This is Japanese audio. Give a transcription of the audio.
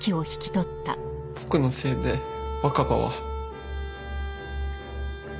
僕のせいで若葉は。